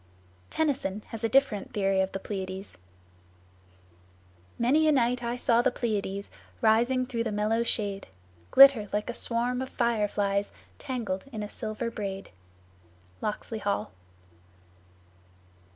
Tennyson has a different theory of the Pleiads: "Many a night I saw the Pleiads, rising through the mellow shade, Glitter like a swarm of fire flies tangled in a silver braid." Locksley Hall.